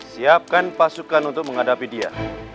siapkan pasukan untuk menghadapi dia